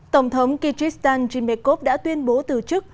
tổng thống kyrgyzstan dzymbiekov đã tuyên bố từ chức